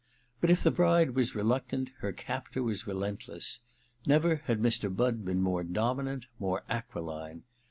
But if the bride was reluctant her captor was relentless. Never had Mr. Budd been more dominant, more aquiline.